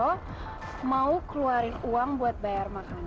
oh mau keluarin uang buat bayar makanan